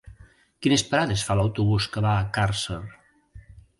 Quines parades fa l'autobús que va a Càrcer?